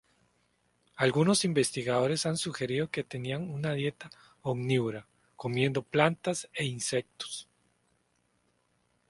Algunos investigadores han sugerido que tenía una dieta omnívora, comiendo plantas e insectos.